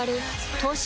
東芝